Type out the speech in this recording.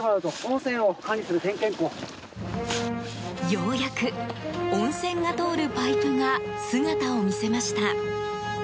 ようやく、温泉が通るパイプが姿を見せました。